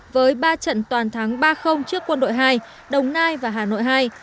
với ba trận toàn thắng ba trước quân đội hai đồng nai và hà nội hai